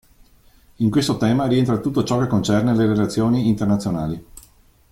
In questo tema rientra tutto ciò che concerne le relazioni internazionali.